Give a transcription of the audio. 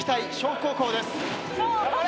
北高校です。